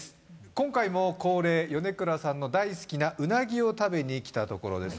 今回も恒例米倉さんの大好きなうなぎを食べにきたところです